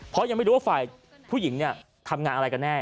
เพราะยังไม่รู้ว่าฝ่ายผู้หญิงเนี่ยทำงานอะไรกันแน่